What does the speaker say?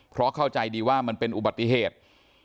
เพราะเข้าใจดีว่ามันเป็นอุบัติเหตุ